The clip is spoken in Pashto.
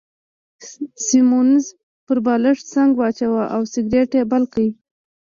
سیمونز پر بالښت څنګ واچاوه او سګرېټ يې بل کړ.